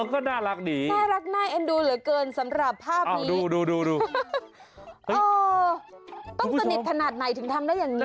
ก็น่ารักดีน่ารักน่าเอ็นดูเหลือเกินสำหรับภาพนี้ดูดูต้องสนิทขนาดไหนถึงทำได้อย่างนี้